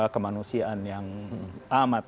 dari manusia yang amat